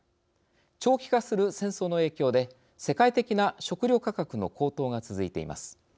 長期化する戦争の影響で世界的な食料価格の高騰が続いています。